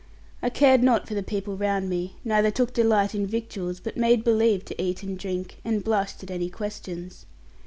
I cared not for the people round me, neither took delight in victuals; but made believe to eat and drink and blushed at any questions.